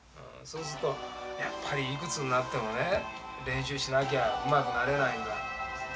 そうするとやっぱりいくつになってもね練習しなきゃうまくなれないんだ。